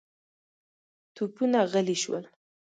توپونه غلي شول.